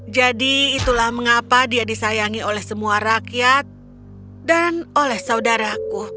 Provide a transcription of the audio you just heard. jadi itulah mengapa dia disayangi oleh semua rakyat dan oleh saudaraku